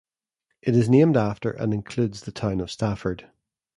It is named after and includes the town of Stafford.